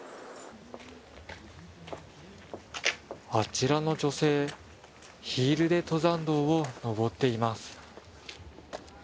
あちらの女性、ヒールで登山道を登っています。